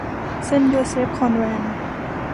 เซนต์โยเซฟคอนแวนต์